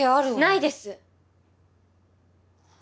ないです